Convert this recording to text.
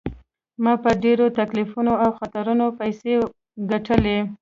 ما په ډیرو تکلیفونو او خطرونو پیسې ګټلي.